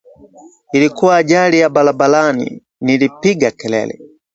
likuwa ajali ya barabarani!' Nilipiga kelele